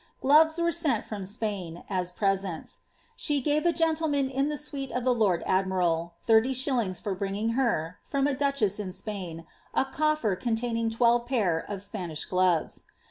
Gloves were sent from Spain, as presents ; she gave a gentleman in the suite of the lord admiral, 3U<. for bringing her, from a duciicss in S{>ain, a coffer contain ing twelve pair of Sfwnish gloves.